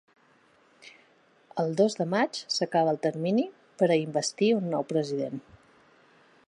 El dos de maig s’acaba el termini per a investir un nou president.